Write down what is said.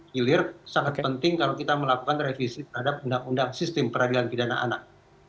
hilir sangat penting kalau kita melakukan revisi terhadap undang undang sistem peradilan kidana anak